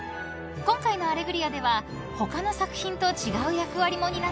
［今回の『アレグリア』では他の作品と違う役割も担っています］